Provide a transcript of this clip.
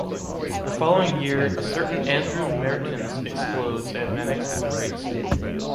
The following year, a certain Andrew Mehrtens explodes and Mannix is erased.